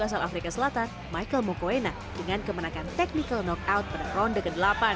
asal afrika selatan michael mokoena dengan kemenangan technical knockout pada ronde ke delapan